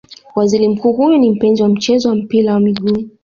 Waziri Mkuu huyu ni mpenzi wa mchezo wa mpira wa miguu